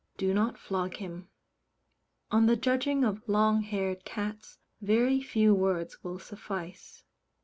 do not flog him. On the judging of long haired cats very few words will suffice.